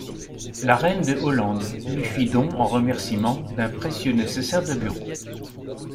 La Reine de Hollande lui fit don en remerciement d'un précieux nécessaire de bureau.